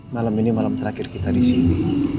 malam ini malam terakhir kita disini